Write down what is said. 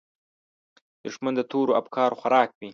دښمن د تورو افکارو خوراک وي